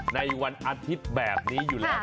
ในวันอาทิตย์แบบนี้อยู่แล้ว